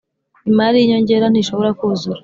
Imari y inyongera ntishobora kuzura